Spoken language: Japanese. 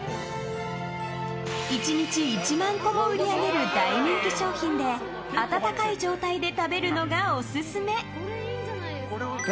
１日１万個も売り上げる大人気商品で温かい状態で食べるのがオススメ。